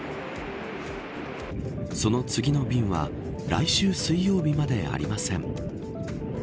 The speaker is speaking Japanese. その次の便は来週水曜日までありません。